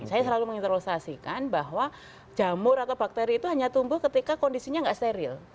saya selalu mengintervlosasikan bahwa jamur atau bakteri itu hanya tumbuh ketika kondisinya tidak steril